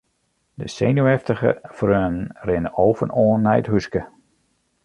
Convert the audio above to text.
De senuweftige freonen rinne ôf en oan nei it húske.